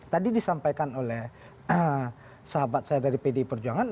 tadi disampaikan oleh sahabat saya dari pdi perjuangan